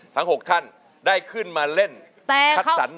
ทั้ง๖ท่านได้ขึ้นมาเล่นคัดสรร